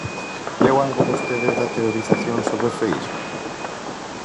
¿Leu algo vostede da teorización sobre o feísmo?